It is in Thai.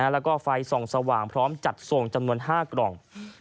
แล้วก็ไฟส่องสว่างพร้อมจัดส่งจำนวน๕กล่อง